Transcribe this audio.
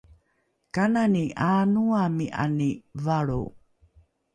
kanani ’aanoami’ani valro?